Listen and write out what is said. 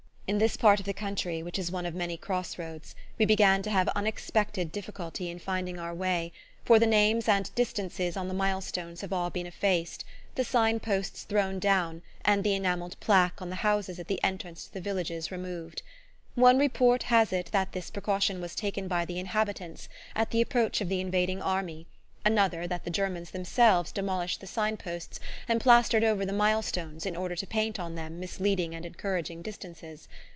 In this part of the country, which is one of many cross roads, we began to have unexpected difficulty in finding our way, for the names and distances on the milestones have all been effaced, the sign posts thrown down and the enamelled plaques on the houses at the entrance to the villages removed. One report has it that this precaution was taken by the inhabitants at the approach of the invading army, another that the Germans themselves demolished the sign posts and plastered over the mile stones in order to paint on them misleading and encouraging distances.